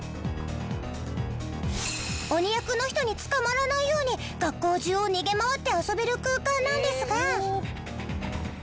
鬼役の人に捕まらないように学校中を逃げ回って遊べる空間なんですが。